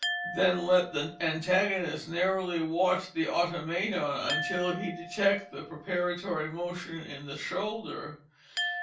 Then let the antagonist narrowly watch the Automaton, until he detect the preparatory motion in the shoulder.